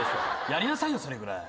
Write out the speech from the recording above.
やりなさいよそれぐらい。